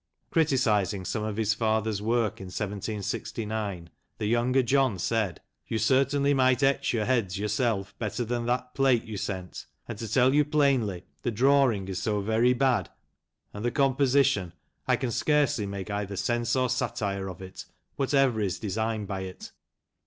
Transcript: Criticising some of his father's work, in 1769, the younger John said: "You certainly might etch your heads yourself better than that plate you sent, and, to tell you plainly, the draw ing is so very bad, and the composition, I can scarcely make either sense or satire of it, what ever is designed by it."